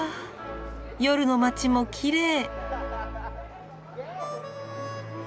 夜の街もきれい。